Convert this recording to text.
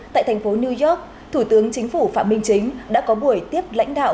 tại thành phố new york thủ tướng chính phủ phạm minh chính đã có buổi tiếp lãnh đạo